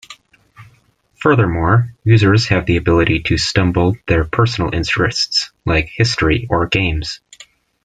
Furthermore, users have the ability to stumble their personal interests like "History" or "Games".